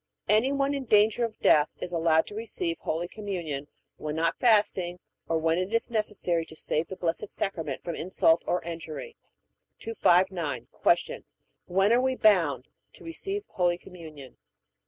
Any one in danger of death is allowed to receive Holy Communion when not fasting or when it is necessary to save the Blessed Sacrament from insult or injury. 259. Q. When are we bound to receive Holy Communion?